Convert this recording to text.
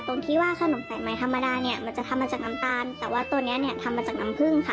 ตรงที่ว่าขนมแปลกใหม่ธรรมดาเนี่ยมันจะทำมาจากน้ำตาลแต่ว่าตัวเนี้ยเนี่ยทำมาจากน้ำผึ้งค่ะ